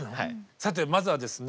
さてまずはですね